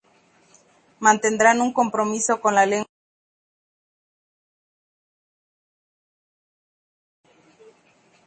Mantendrán un compromiso con la lengua natal, ejerciendo una práctica monolingüe en gallego.